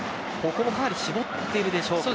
ここもかなり絞っているでしょうか。